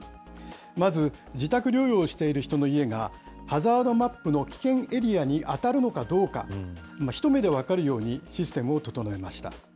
まず、自宅療養している人の家がハザードマップの危険エリアに当たるのかどうか、一目で分かるようにシステムを整えました。